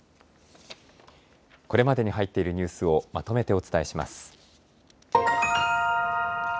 これまでに入っているニュースをまとめてお伝えします。